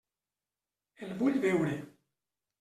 El vull veure.